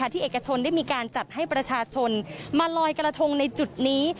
เอกชนได้มีการจัดให้ประชาชนมาลอยกระทงในจุดนี้